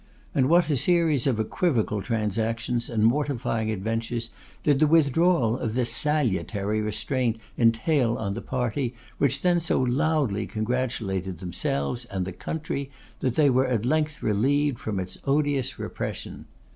And what a series of equivocal transactions and mortifying adventures did the withdrawal of this salutary restraint entail on the party which then so loudly congratulated themselves and the country that they were at length relieved from its odious repression!